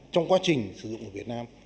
trong quá trình sử dụng việt nam